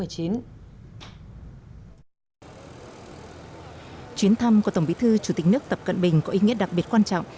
chuyến thăm của tổng bí thư chủ tịch nước tập cận bình có ý nghĩa đặc biệt quan trọng